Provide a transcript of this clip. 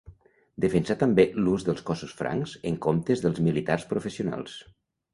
Defensà també l'ús dels cossos francs en comptes dels militars professionals.